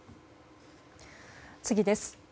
次です。